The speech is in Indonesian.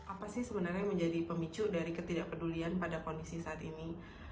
apa sih sebenarnya yang menjadi pemicu dari ketidakpedulian pada kondisi saat ini